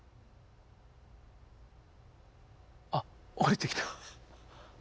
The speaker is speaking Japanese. あっおりてきた。